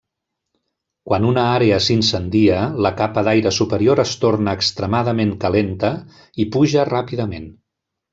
Quan una àrea s'incendia, la capa d'aire superior es torna extremadament calenta i puja ràpidament.